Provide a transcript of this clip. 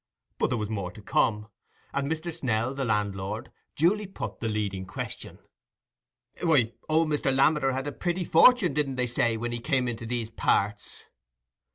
But there was more to come; and Mr. Snell, the landlord, duly put the leading question. "Why, old Mr. Lammeter had a pretty fortin, didn't they say, when he come into these parts?"